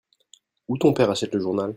Où ton père achète le journal ?